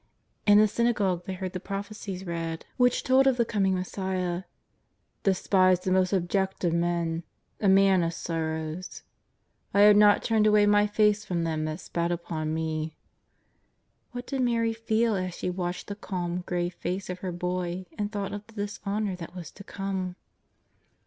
In the synagogue they heard the Prophecies read 85 8C JESUS OF NAZARETH. which told of the coming Messiah ..." Despised and the most abject of men, a man of sorrows ... I have not turned away my face from them that spat upon me." What did Mary feel as she watched the calm, grave face of her Boy and thought of the dishon our that was to come